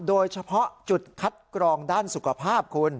โดยเฉพาะจุดคัดกรองด้านสุขภาพคุณ